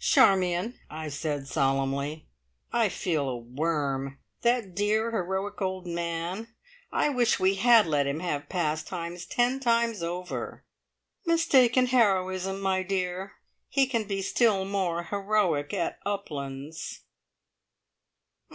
"Charmion," I said solemnly, "I feel a worm. That dear, heroic old man! I wish we had let him have `Pastimes' ten times over." "Mistaken heroism, my dear. He can be still more heroic at `Uplands'."